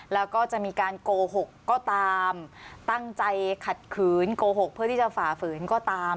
แล้วก็จะมีการโกหกก็ตามตั้งใจขัดขืนโกหกเพื่อที่จะฝ่าฝืนก็ตาม